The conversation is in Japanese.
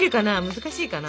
難しいかな？